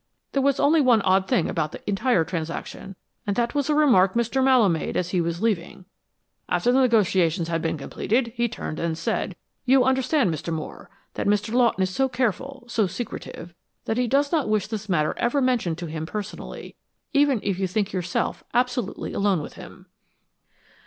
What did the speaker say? There was only one odd thing about the entire transaction, and that was a remark Mr. Mallowe made as he was leaving. After the negotiations had been completed he turned and said, 'You understand, Mr. Moore, that Mr. Lawton is so careful, so secretive, that he does not wish this matter ever mentioned to him personally, even if you think yourself absolutely alone with him.'"